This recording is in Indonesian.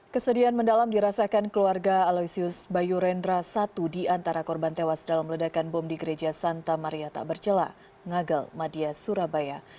kesedihan mendalam dirasakan keluarga aloysius bayu rendra satu di antara korban tewas dalam ledakan bom di gereja santa maria takbercela ngagel madia surabaya